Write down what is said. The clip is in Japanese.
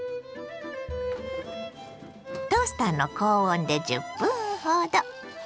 トースターの高温で１０分ほど。